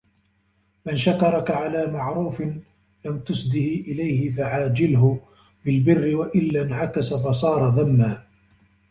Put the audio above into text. مَنْ شَكَرَكَ عَلَى مَعْرُوفٍ لَمْ تُسْدِهِ إلَيْهِ فَعَاجِلْهُ بِالْبِرِّ وَإِلَّا انْعَكَسَ فَصَارَ ذَمًّا